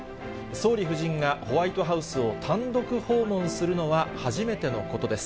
総理夫人がホワイトハウスを単独訪問するのは初めてのことです。